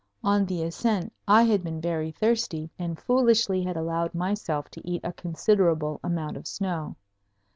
On the ascent I had been very thirsty and foolishly had allowed myself to eat a considerable amount of snow.